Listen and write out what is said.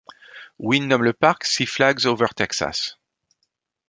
Wynne nomme le parc Six Flags Over Texas.